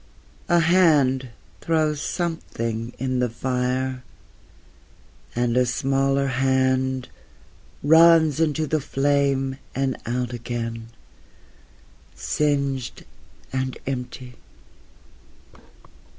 A hand throws something in the fire and a smaller hand runs into the flame and out again, singed and empty....